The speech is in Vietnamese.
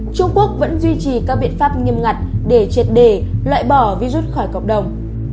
trung quốc vẫn duy trì các biện pháp nghiêm ngặt để chết đề loại bỏ virus khỏi cộng đồng